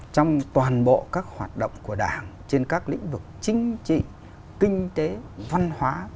trong toàn bộ các hoạt động của đảng trên các lĩnh vực chính trị kinh tế văn hóa